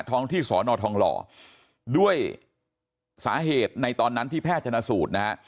ท้องที่สอนอทองหล่อด้วยสาเหตุในตอนนั้นที่แพทย์ชนะสูตรนะฮะ